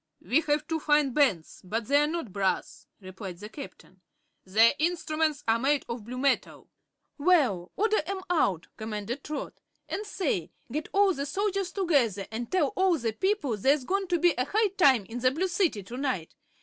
"We have two fine bands, but they are not brass," replied the Captain. "Their instruments are made of blue metal." "Well, order 'em out," commanded Trot. "And, say; get all the soldiers together and tell all the people there's going to be a high time in the Blue City to night.